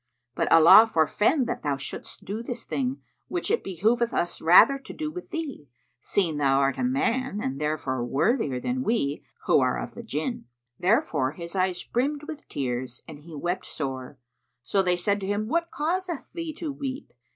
But Allah forfend that thou shouldst do this thing, which it behoveth us rather to do with thee, seeing thou art a man and therefor worthier than we, who are of the Jinn."[FN#73] Thereupon his eyes brimmed with tears and he wept sore; so they said to him, "What causeth thee to weep?